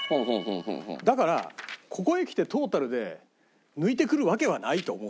だからここへきてトータルで抜いてくるわけはないと思う。